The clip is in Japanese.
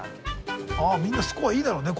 あみんなスコアいいだろうね